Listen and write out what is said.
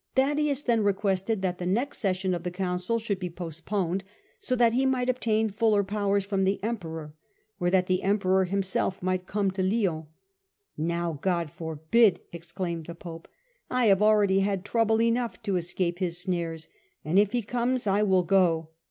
Thaddaeus then requested that the next session of the Council should be postponed, so that he might obtain fuller powers from the Emperor, or so that the Emperor himself might come to Lyons. " Now God forbid !" exclaimed the Pope. " I have already had trouble enough to escape his snares ; and if he comes I will go.